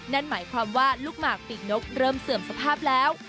นั่นหมายความว่าลูกหมากปีกนกเริ่มเสื่อมสภาพแล้ว